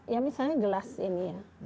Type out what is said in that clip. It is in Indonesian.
yang misalnya gelas ini ya